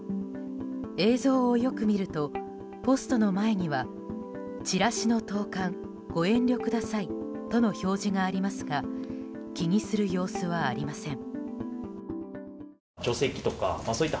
映像をよく見るとポストの前にはチラシの投函ご遠慮くださいとの表示がありますが気にする様子はありません。